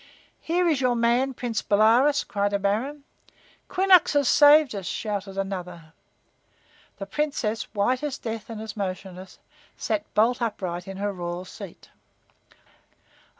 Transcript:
"Here is your man, Prince Bolaroz!" cried a baron. "Quinnox has saved us!" shouted another. The Princess, white as death and as motionless, sat bolt upright in her royal seat. "Oh!"